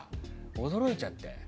驚いちゃって。